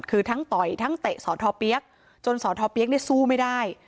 คือทั้งต่อยทั้งเตะสอทอเปี๊ยกจนสอทอเปี๊ยกเนี่ยสู้ไม่ได้